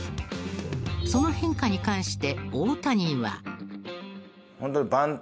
その変化に関して大谷は。